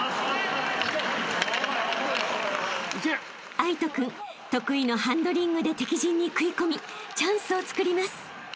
［藍仁君得意のハンドリングで敵陣に食い込みチャンスをつくります］